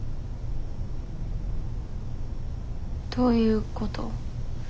どういうこと？